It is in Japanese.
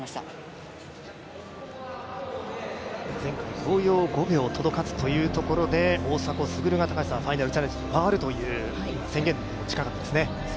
前回同様、５秒届かずというところで大迫傑がファイナルチャレンジに回るという宣言に近かったですね。